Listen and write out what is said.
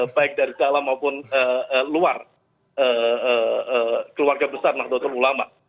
baik dari dalam maupun luar keluarga besar nahdlatul ulama